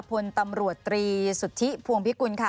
ผลตำรตอศุษธิภวงพิกุณฑ์ค่ะ